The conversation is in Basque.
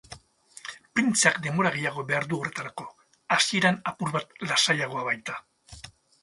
Printzeak denbora gehiago behar du horretarako, hasieran apur bat lasaiagoa baita.